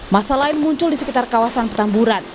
masa lain muncul di sekitar kawasan petamburan